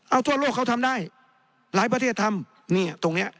เอาทั่วโลกเขาทำได้หลายประเทศทำเนี่ยตรงเนี้ย